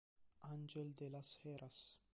Ángel de las Heras